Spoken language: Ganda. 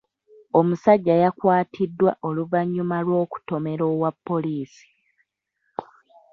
Omusajja yakwatiddwa oluvannyuma lw'okutomera owa poliisi.